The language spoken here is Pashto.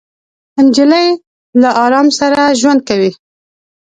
نجلۍ له ارام سره ژوند کوي.